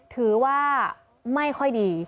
ถือว่าไม่ค่อยดี